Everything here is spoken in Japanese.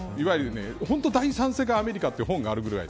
本当に第三世界アメリカという本があるくらい。